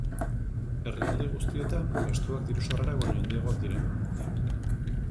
Herrialde guztietan gastuak diru-sarrerak baino handiagoak dira.